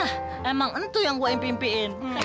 hah emang itu yang gua impiin impiin